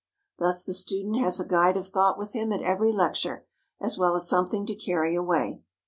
Thus the student has a guide of thought with him at every lecture, as well as something to carry away.